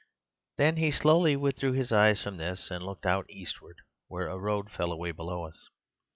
"Then he slowly withdrew his eyes from this and looked out eastward where the road fell away below us.